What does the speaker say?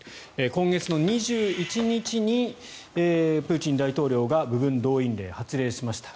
今月２１日にプーチン大統領が部分動員令、発令しました。